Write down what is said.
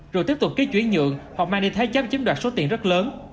rồi tiếp tục ký chuyến nhượng hoặc mang đi thái chấp chiếm đoạt số tiền rất lớn